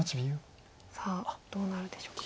さあどうなるでしょう。